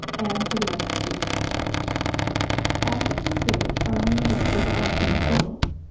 Anne to the Rescue ALL things great are wound up with all things little.